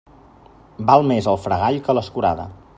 Val més el fregall que l'escurada.